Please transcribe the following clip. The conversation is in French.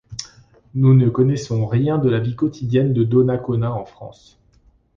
Nous ne connaissons rien de la vie quotidienne de Donnacona en France.